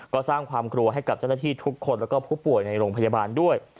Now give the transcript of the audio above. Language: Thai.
ก็สร้างความกลัวให้กับเจ้าหน้าที่ทุกคนแล้วก็ผู้ป่วยในโรงพยาบาลด้วย